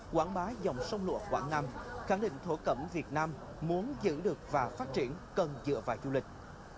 quảng bá dòng sông lụa quảng nam khẳng định thổ cẩm việt nam muốn giữ được và phát triển cần dựa vào du lịch